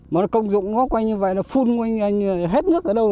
mà công dụng nó coi như vậy là phun hết nước ở đâu